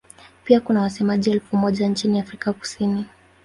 Pia kuna wasemaji elfu moja nchini Afrika Kusini.